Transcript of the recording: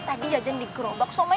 tadi jajan digerobak sama gue